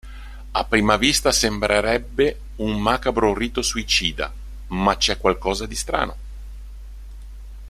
A prima vista sembrerebbe un macabro rito suicida, ma c'è qualcosa di strano.